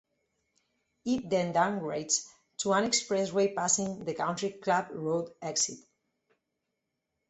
It then downgrades to an expressway passing the Country Club Road exit.